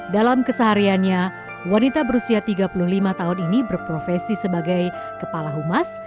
dalam kesehariannya wanita berusia tiga puluh lima tahun ini berprofesi sebagai kepala humas